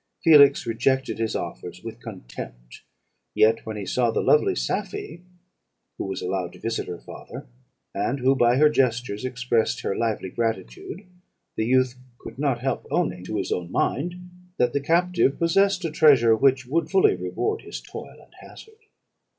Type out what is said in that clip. Felix rejected his offers with contempt; yet when he saw the lovely Safie, who was allowed to visit her father, and who, by her gestures, expressed her lively gratitude, the youth could not help owning to his own mind, that the captive possessed a treasure which would fully reward his toil and hazard.